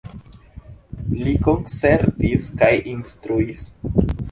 Li koncertis kaj instruis.